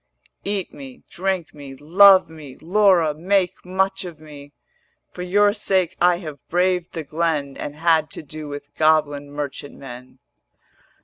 470 Eat me, drink me, love me; Laura, make much of me: For your sake I have braved the glen And had to do with goblin merchant men.'